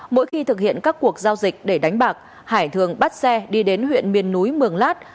mỗi khi thực hiện các cuộc giao dịch để đánh bạc hải thường bắt xe đi đến huyện miền núi mường lát